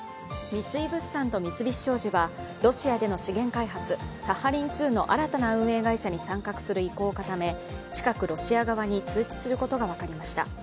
三井物産と三菱商事はロシアでの資源開発、サハリン２の新たな運営会社に参画する意向を固め、近くロシア側に通知することが分かりました。